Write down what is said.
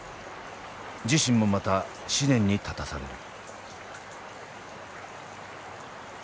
自身もまた試練に立たされる。